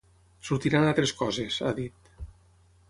Sortiran altres coses, ha dit.